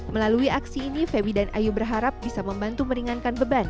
melalui aksi ini feby dan ayu berharap bisa membantu meringankan beban